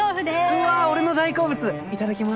うわ俺の大好物いただきます。